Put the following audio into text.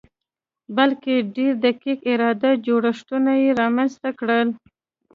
بلکې ډېر دقیق اداري جوړښتونه یې رامنځته کړل